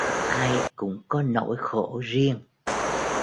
Ai cũng có nỗi khổ riêng